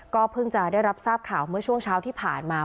เพิ่งจะได้รับทราบข่าวเมื่อช่วงเช้าที่ผ่านมา